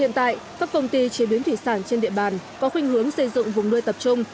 hiện tại các công ty chế biến thủy sản trên địa bàn có khuyên hướng xây dựng vùng nuôi tập trung